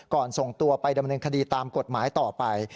ส่งตัวไปดำเนินคดีตามกฎหมายต่อไป